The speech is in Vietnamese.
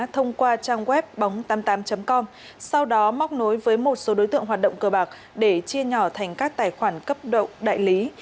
thông qua trang web bóng tám mươi tám com sau đó móc nối với một số đối tượng hoạt động cờ bạc để chia nhỏ thành các tài khoản cấp độ đại lý